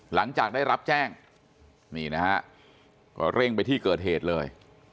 หลังจากได้รับแจ้งนี่นะฮะก็เร่งไปที่เกิดเหตุเลย